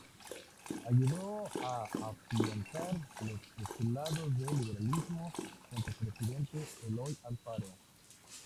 Ayudó a afianzar los postulados del liberalismo junto al presidente Eloy Alfaro.